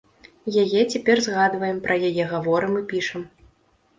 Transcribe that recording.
Яе цяпер згадваем, пра яе гаворым і пішам.